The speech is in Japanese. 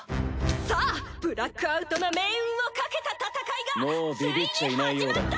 さあブラックアウトの命運を懸けた戦いがついに始まった！